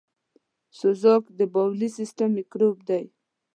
سوزک دبولي سیستم میکروب دی .